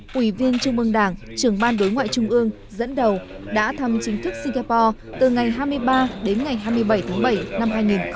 quỷ viên trung mương đảng trưởng ban đối ngoại trung ương dẫn đầu đã thăm chính thức singapore từ ngày hai mươi ba đến ngày hai mươi bảy tháng bảy năm hai nghìn một mươi chín